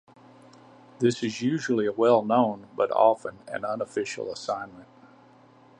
This is usually a well-known but often an unofficial assignment.